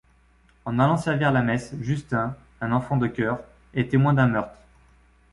En allant servir la messe, Justin, un enfant de chœur, est témoin d'un meurtre.